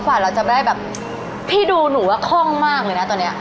กว่าเราจะได้แบบพี่ดูหนูว่าคล่องมากเลยนะตอนนี้